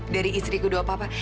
dari istriku doa papa